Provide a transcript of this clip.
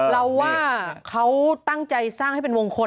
เราว่าเขาตั้งใจสร้างให้เป็นมงคล